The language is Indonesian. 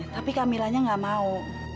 tapi kamilanya nggak mau